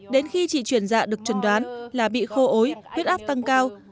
đến khi chị chuyển dạ được chuẩn đoán là bị khô ối huyết áp tăng cao